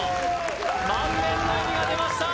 満面の笑みが出ました